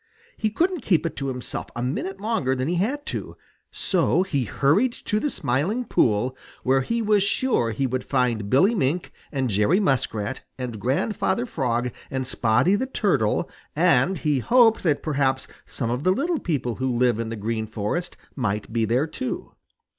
He couldn't keep it to himself a minute longer than he had to. So he hurried to the Smiling Pool, where he was sure he would find Billy Mink and Jerry Muskrat and Grandfather Frog and Spotty the Turtle, and he hoped that perhaps some of the little people who live in the Green Forest might be there too.